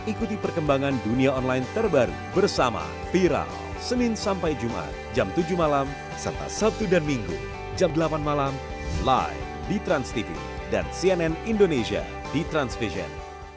ikuti perkembangan dunia online terbaru bersama viral senin sampai jumat jam tujuh malam serta sabtu dan minggu jam delapan malam live di transtv dan cnn indonesia di transvision